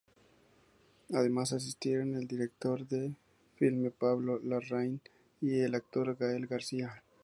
Además, asistieron el director del filme Pablo Larraín y el actor Gael García.